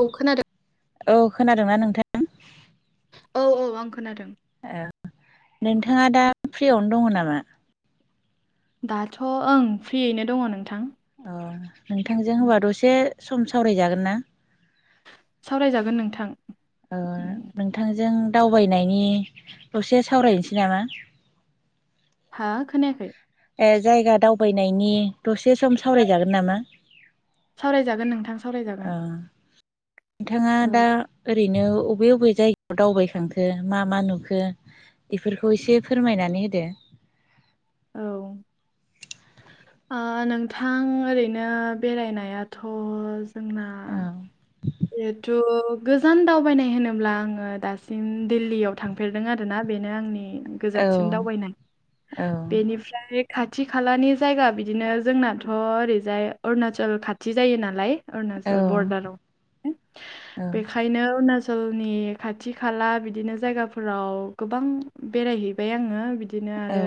औ खोनादों। औ खोनादों ना नोंथां औ औ आं खोनादों। ओ नोंथांङा दा फ्रियावनो दंङ नामा? दाथ' ओं फ्रियैनो दंङ नोंथां। अ नोंथांजों होनबा दसे सम सावरायजागोन ना। सावरायजागोन नोंथां ओ नोंथांजों दावबायनायनि दसे सावरायनोसै नामा? हा खोनायाखैय ए जायगा दावबायनायनि दसे सम सावरायजागोन नामा? सावरायजागोन नोंथां सावरायजागोन। नोंथांङा औ दा। ओरैनो बबे बबे जायगायाव दावबायखांखो मा मा नुखो? बेफोरखौ एसे फोरमायनानै होदो? औ आं नोंथां ओरैनो बेरायनायाथ' जोंना औ बेथ' गोजान दावबायनाय होनोब्ला आंङो दासिम दिल्लीयाव थां थांफेरदों आरोना बेनो आंनि औ गोजानसिन दावबायनाय औ बेनिफ्राय खाथि खालानि जायगा बिदिनो जोंनाथ' ओरैजाय अरुणाचल खाथि जायो नालाय अरुणचल औ बरदाराव बे ओंखायनो अरुणाचलनि खाथि खाला बिदिनो जायगाफोराव गोबां बेरायहैबाय आंङो बिदिनो औ आरो।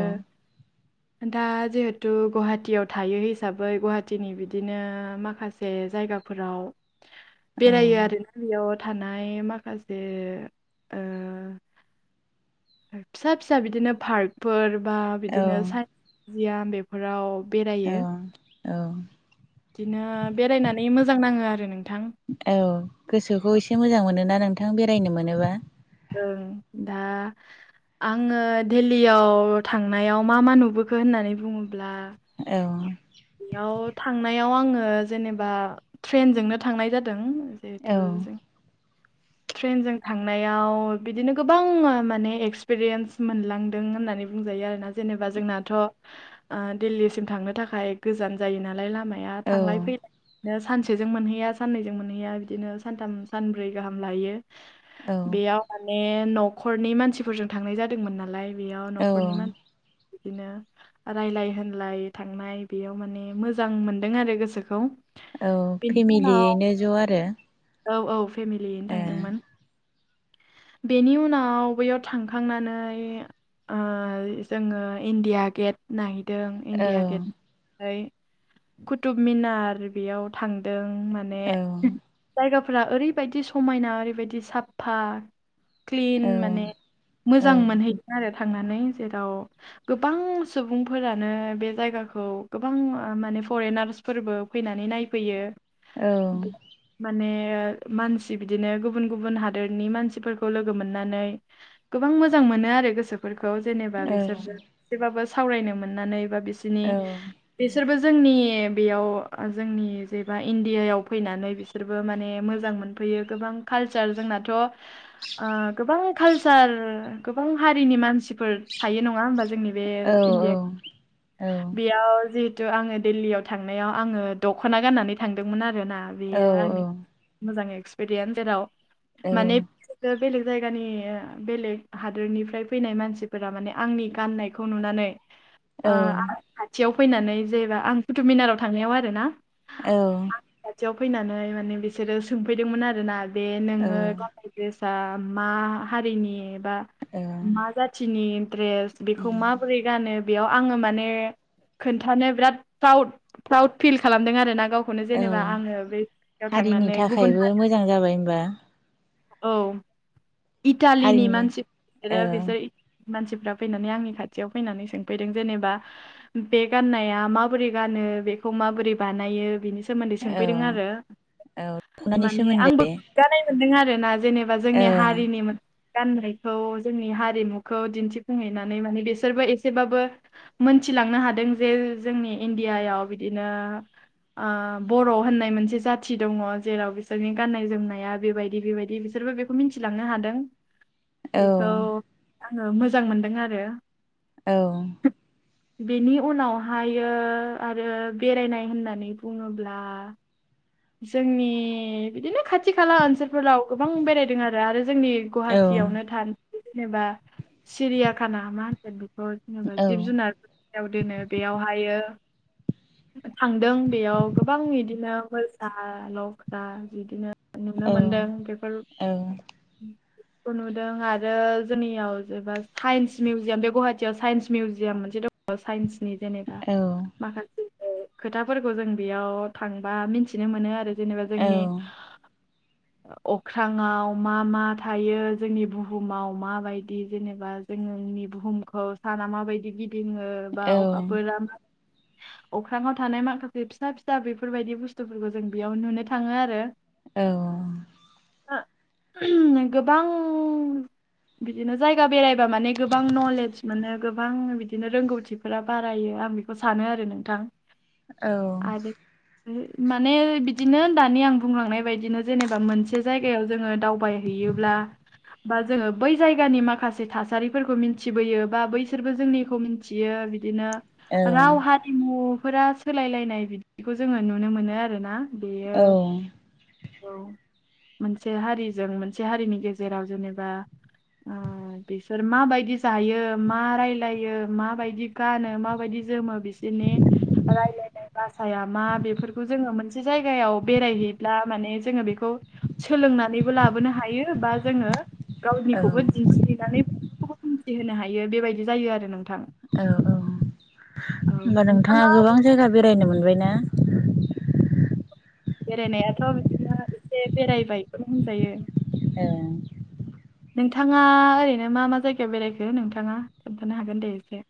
दा जिहेथु गुवाहाटियाव थायो हिसाबै गुवाहाटिनि बिदिनो माखासे जायगा फोराव औ बेरायो आरो बेयाव थानाय माखासे ओ फिसा-फिसा बिदिनो पार्कफोर बा बिदिनो साइन्स मिउजियाम बेफोराव बेरायो औ बिदिनो बेरायनानै मोजां नाङो आरो नोंथां। औ गोसोखौ एसे मोजां मोनोना नोंथां बेरायनो मोनोबा। ओं दा आङो दिल्लीयाव थांनायाव मा मा नुबोखो होननानै बुङोब्ला औ बेयाव थांनायाव आङो जेनेबा ट्रेनजोंनो थांनाय जादों। औ जेहेथु जों ट्रेनजों थांनायाव बिदिनो गोबां मा-माने एक्सपिरियेन्स मोनलांदों होननानै बुंजायो आरोना। जेनेबा जोंनाथ' दिल्लीसिम थांनो थाखाय गोजान जायो नालाय लामा या थांलाय औ फैलाय सानसेजों मोनहैया सानैजों मोनहैया बिदिनो सानथाम सानब्रै गाहाम लायो औ बेयाव माने न'खरनि मानसिफोरजों थांनाय जादोंमोन नालाय बेयाव औ न'खरनि मानसि बिदिनो रायलाय होनलाय थांनाय बेयाव माने मोजां मोनदों आरो गोसोखौ। औ बेनि उनाव फेमिलियैनो ज' आरो। औ औ फेमिलियैनो ए थांदोंमोन। बेनि उनाव बैयाव थांखांनानै ओ जोङो इण्डिया गेट नायहदों औ इण्डिया गेट ओफ्राय कुथुबमनार बेयाव थांदों माने औ जायगाफोरा ओरैबायदि समायना ओरैबायदि साफा क्लिन औ माने औ मोजां मोनहैदों आरो थांनानै जेराव गोबां सुबुंफोरानो बे जायगाखौ गोबां ओ माने फरेनार्स फोरबो फैनानै नायफैयो औ माने मानसि बिदिनो गुबुन गुबुन हादोरनि मानसि फोरखौ लोगो मोननानै गोबां मोजां मोनो आरो गोसोफोरखौ जेनेबा औ बिसोर एसेबाबो सावरायनो मोननानै बा बिसिनि औ बिसोरबो जोंनि बेयाव जोंनि जेबा इण्डियायाव फैनानै बिसोर बिसोरबो माने मोजां मोनफैयो गोबां कालचार जोंनाथ' आ गोबां कालसार गोबां हारिनि मानसिफोर थायो नङा होमबा जोंनि बे औ इणडिया औ बेयाव जि थु आङो दिल्लीयाव थांनायाव आङो दख'ना गाननानै थांदोंमोन आरोना बेयो आंनि मोजां एक्सपिरियेन्स जेराव। माने बेलेग जायगानि बेलेग हादोरनिफ्राय फैनाय मानसिफोरा माने आंनि गाननायखौ नुनानै [inaudible] आ आं खाथियाव फैनानै जेनेबा आं कुथुबमिनाराव थांनायाव आरो ना। औ खाथियाव फैनानै माने बिसोरो सोंफैदोंमोन आरोना बे नोङो मा हारिनि एबा मा जाथिनि द्रेस बेखौ माबोरै गानो? बेयाव आङो माने खोन्थानो बिरादउ प्राउद प्राउड फिल खालामदों आरो ना गाव खौनो जेनेबा आङो बे जायगायाव हारिनि थांनानै गुबुन थाखायबो हारि मोजां जाबाय होनबा औ इटालिनि हारिनि मानसि औ बिसोरो बिसोर मानसिफ्रा फैनानै आंनि खाथियाव फैनानै सोंफैदों जेनेबा बे गाननाया माबोरै गानो बेखौ माबोरै बानायो बेनि सोमोन्दै औ सोंफैदों आरो खौनायनि माने आंबो सोमोन्दै गोग्गानाय मोनदों आरो ना जेनेबा जोंनि औ हारिनि गाननायखौ जोंनि हारिमुखौ दिन्थिफुंहैनानै माने बिसोरबो एसेबाबो मोनथिलांनो हादों जे जोंनि इण्डियायाव बिदिनो बर' होननाय मोनसे जाथि दङ जेराव बिसोरनि गाननाय जोमनाया बेबायदि बेबायदि बे बिसोरबो बेखौ मिथिलांनो हादों बेखौ औ आङो मोजां मोनदों आरो औ बेनि उनावहायो आरो बेरायनाय होननानै बुङोब्ला। जोंनि बिदिनो खाथि खाला ओनसोलफोराव गोबां बेरायदों आरो आरो जोंनि गुवाहाटियावनो थानो जेनेबा सिरियाखाना मा होनगोन बिखौ जिब जुनारफोर जेराव दोनो बेयावहायो थांदों बेयाव गोबां बिदिनो मोसा लख्रा बिदिनो नुनो मोनदों बेफोर नुदों आरो जोंनियाव जेबा साइन्स मिउजियाम बे गुवाहाटियाव साइन्स मिउजियाम मोनसे दं साइन्सनि जेनेबा माखासे खोथाफोरखौ जों बेयाव थांबा मिथिनो मोनो आरो जेनेबा जोंनि [inaudible] अख्रांआ व मा मा थायो जोंनि बुहुमाव माबायदि जेनेबा जोंनि बुहुमखौ साना माबायदि गिदिङो बा अखाफोरा अख्रांआव थानाय माखासे फिसा-फिसा बेफोरबायदि बुस्थु बुस्थुफोरखौ जों बेयाव नुनो थाङो आरो औ गोबां बिदिनो जायगा बेरायबा माने गोबां नलेज मोनो गोबां बिदिनो रोंगौथिफोर बारायो आं बेखौ सानो आरो नोंथां आरो बे माने बिदिनो दानि आं बुंलांनाय बायदिनो जेनेबा मोनसे जायगायाव जोङो दावबायहैयोब्ला बा जोङो बै जायगानि माखासे थासारिफोरखौ मिथिबोयो बा बैसोरबो जोंनिखौथि फियो बिदिनो राव हारिमुफोरा सोलायलायनाय बिदिखौ जोङो नुनो मोनो आरो ना बेयो औ मोनसे हारिजों मोनसे हारिनि गेजेराव जेनेबा बिसोर माबायदि जायो मा रायलायो माबायदि गानो माबायदि जोमो बिसोर बिनि रायलायनाय‌ बासायामा बेखौ जोङो मोनसे जायगायाव बेरायहैब्ला माने जोङो बेखौ सोलोंनानैबो लाबोनो हायो बा जोङो गावनिखौबो दिन्थिहैनानै बयखौबो मिथिहोनो हायो बेबायदि जायो आरो नोंथां औ औ औ होनोमबा नोंथाङा गोबां ओरैनो जायगा बेरायनो मोनबाय ना बेरायनायाथ' बिदिनो एसे बेरायबायखौनो होनजायो औ नोंथाङा ओरैनो मा मा जायगायाव बेरायखो नोंथाङा खोन्थानो हागोन दे एसे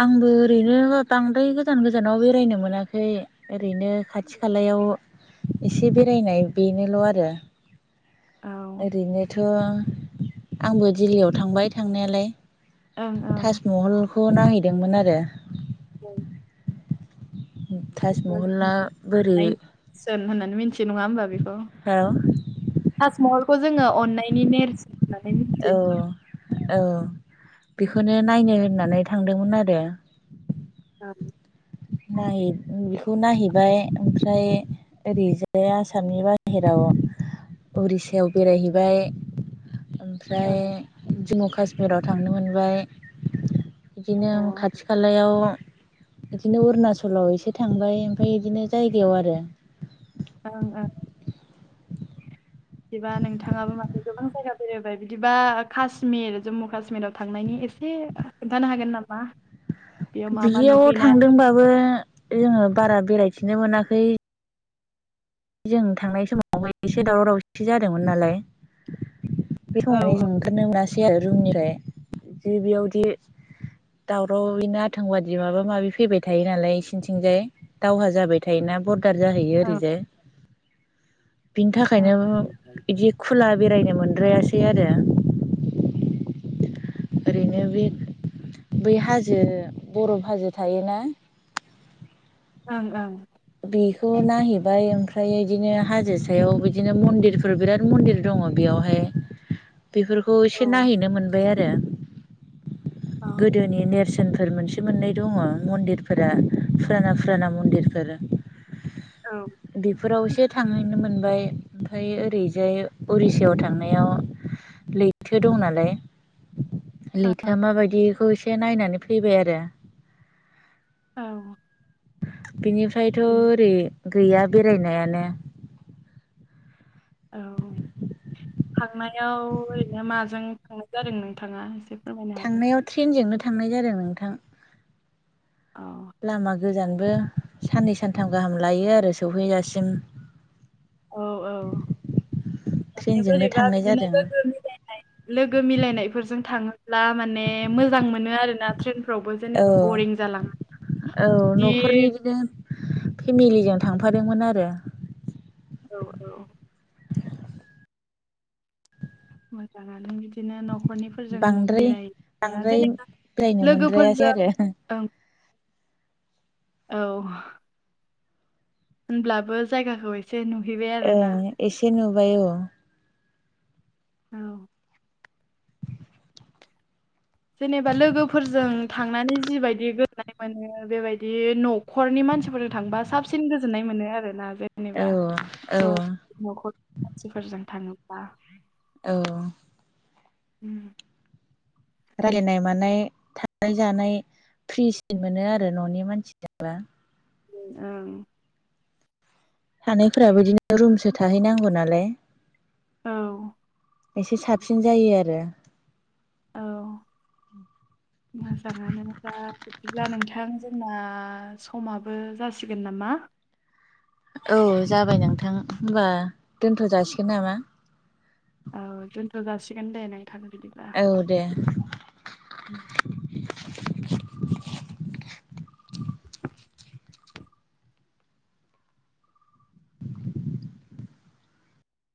आंबो ओरैनो बांद्राय गोजान गोजानाव बेरायनो मोनाखै ओरैनो खाथि खालायाव एसे बेरायनाय बेनोल' आरो औ ओरैनोथ' आंबो दिल्लीयाव थांबाय थांनायालाय ओं ओं ताजमहलखौ नायहैदोंमोन आरो ताजमहलाआ बोरै सोन होननानै मिथि नङा होनोमबा बेखौ औ ताजमहलखौ जोङो अन्नायनि नेरस होन्नानै मोन औ औ ओ बेखौनो नायनो होननानै थांदोंमोन आरो औ नाय बेखौ नायहैबाय ओमफ्राय ओरैजाय आसामनि बाहेराव उरिस्याव बेरायहैबाय अ ओमफ्राय जम्मु काश्मिराव थांनो मोनबाय बिदिनो ओं खाथि खालायाव बिदिनो अरुणाचलाव एसे थांबाय ओमफ्राय बिदिनो जायगायाव आरो ओं ओं बिदिबा नोंथाङाबो माने गोबां जायगा बेरायबाय बिदिबा काश्मिर जम्मु काश्मिराव थांनायनि एसे खोनथानो हागोन नामा? बेयाव मा मा बियाव नुहैनाय थांदोंबाबो जोङो बारा बेरायथिनो मोनाखै जों थांनाय समावबो एसे दावराव दावसि जादोंमोन नालाय बे औ समावहाय औ जों ओंखारनो मोनासै आरो रुमनिफ्राय जे बेयावदि दावराव बिनो आथों बादि माबा माबि फैबाय थायो नालाय इसिनिथिंजाय दावहा जाबाय थायोना बरदार जाहैयो ओं ओरैजाय बिनि थाखायनो बिदि खुला बेरायनो मोनद्रायासै आरो ओरैनो बे बै हाजो बरफ हाजो थायोना ओं ओं बेखौ नायहैबाय ओमफ्राय बिदिनो हाजो सायाव बिदिनो मन्दिरफोर बिराद मन्दिर दङ बेयावहाय बेफोरखौ एसे ओं ओं नायहैनो मोनबाय आरो औ गोदोनि नेरसोनफोर मोनसे मोननै दङ मन्दिरफोरा फुराना फुराना मन्दिरफोर औ बे फोराव थांहैनो मोनबाय ओमफ्राय ओरैजाय उरिसायाव थांनायाव लैथो दं नालाय लैथोआ माबायदिखौ एसे नायनानै फैबाय आरो औ बिनिफ्रायथ' बेनो ओरै गैया बेरायनायानो औ थांनायाव ओरैनो माजों थांनाय जादों नोंथाङा ए थांनायाव ट्रेनजोंनो थांनाय जादों नोंथां अ लामा गोजानबो साननै सानथाम गाहाम लायो आरो सहैजासिम औ औ माने ट्रेनजोंनो बोरैबा थांनाय बिदिनो जादों लोगो मिलाय नाय लोगो मिलायनायफोरजों थाङोब्ला माने मोजां मोनो आरोना ट्रेनफोरावबो जे औ औ न'खरनि बिदि बिदिनो फेमिलिजों थांफादोंमोन आरो औ औ मोजाङानो बिदिनो न'खरनिफोरजों बांद्राय बेराया बांद्राय जेनेबा बेरायनो मोनद्रायासै लोगोफोरजों आरो ओं औ होनब्लाबो जायगाखौ एसे नुहैबाय आरो ओं ना एसे नुबाय औ औ जेनेबा लोगोफोरजों थांनानै जिबायायदि गोनां मोनो बेबायदि न'खरनि मानसिफोरजों थांबा साबसिन गोजोननाय मोनो आरोना जे औ नेबा औ ज' न'खरनि मानसिफोरजों थाङोब्ला औ उ रायलायनाय मानाय थानाय जानाय फ्रिसिन मोनो आरो न'नि मानसिजोंबा उ ओ थानायफोराबो बिदिनो रुमसो थाहैनांगौ नालाय औ एसे साबसिन जायो आरो औ उ मोजाङानो दा बिदिब्ला नोंथां जोंना समाबो जासिगोन नामा। औ जाबाय नोंथां होमबा दोनथ' जासिगोन नामा? औ दोनथ' जासिगोन दे नोंथां बिदिब्ला। औ दे। उम